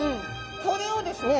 これをですね